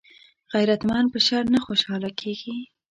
غیرتمند په شر نه خوشحاله کېږي